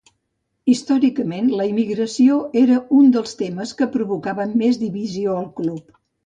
Històricament, la immigració era un dels temes que provocaven més divisió al club.